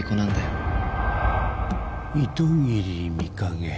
糸切美影。